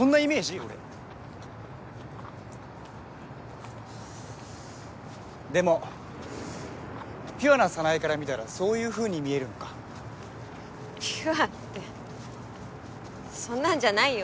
俺でもピュアな早苗から見たらそういうふうに見えるのかピュアってそんなんじゃないよ